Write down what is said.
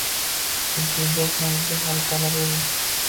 Eng kenjasi Nargiza hali talaba edi